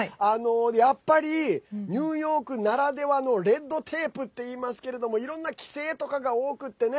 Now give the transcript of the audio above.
やっぱりニューヨークならではのレッドテープっていいますけどいろんな規制とかが多くてね